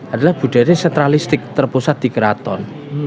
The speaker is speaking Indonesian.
adalah budaya sentralistik terpusat di keraton